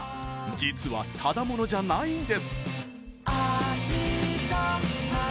実は、ただ者じゃないんです！